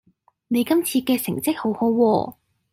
你今次嘅成績好好喎